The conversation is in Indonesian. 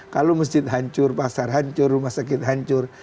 kalau masjid hancur pasar hancur rumah sakit hancur